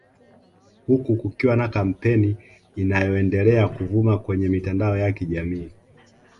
Huku kukiwa na kampeni inayoendelea kuvuma kwenye mitandao ya kijamii